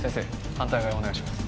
反対側お願いします